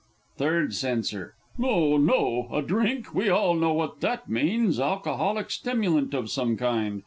Third C. No, no! "A drink"! We all know what that means alcoholic stimulant of some kind.